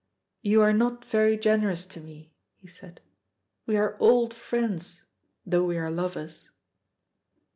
"You are not very generous to me," he said. "We are old friends though we are lovers."